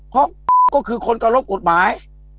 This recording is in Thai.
เพราะก็คือคนกระลบกฎหมาย